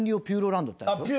ピューロランド。